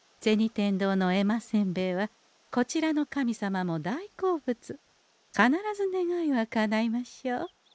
天堂の絵馬せんべいはこちらの神様も大好物必ず願いはかないましょう。